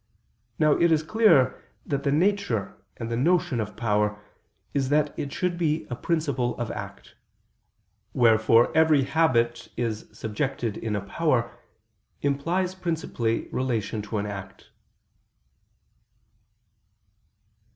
Now it is clear that the nature and the notion of power is that it should be a principle of act. Wherefore every habit is subjected in a power, implies principally relation to an act.